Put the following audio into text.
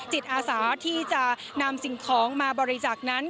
จิตอาสาที่จะนำสิ่งของมาบริจาคนั้น